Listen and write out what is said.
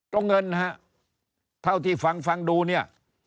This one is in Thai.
เงินนะฮะเท่าที่ฟังฟังดูเนี่ย